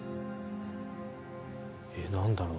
えっ何だろう？